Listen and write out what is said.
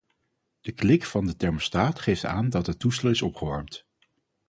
De klik van de thermostaat geeft aan dat het toestel is opgewarmd.